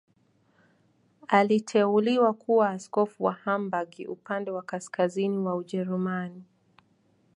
Aliteuliwa kuwa askofu wa Hamburg, upande wa kaskazini wa Ujerumani.